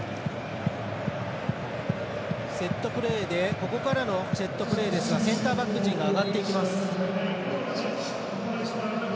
ここからのセットプレーですがセンターバック陣が上がっていきます。